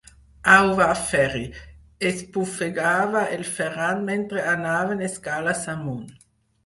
Au, va, Ferri –esbufegava el Ferran mentre anaven escales amunt.